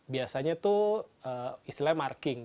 biasanya itu istilahnya marking